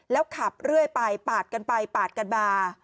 แล้วขับเรื่อยไปปาดกันไปปาดกันมา